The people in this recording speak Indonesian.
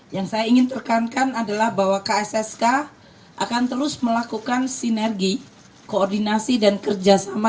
yang saya ingin tekankan adalah bahwa kssk akan terus melakukan sinergi koordinasi dan kerjasama